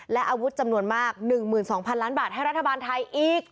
และอาวุธจำนวนมาก๑๒๐๐๐ล้านบาทให้รัฐบาลไทยอีก